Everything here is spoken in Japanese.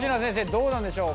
どうなんでしょう